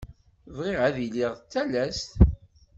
Bɣiɣ ad iliɣ d talast.